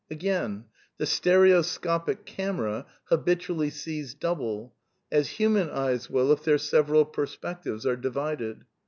Again, "The stereoscopic camera habitually sees double," as human eyes will if their several perspectives are divided.